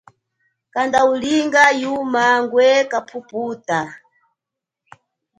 Kanda ulinga yuma ngwe kaphuphuta.